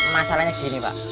masalahnya gini pak